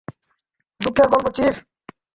দুঃখের গল্প, চিফ।